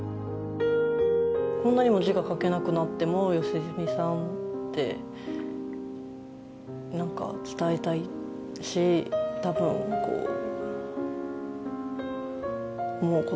こんなにも字が書けなくなっても良純さんってなんか伝えたいし多分こう思う事があったのかなと思うと。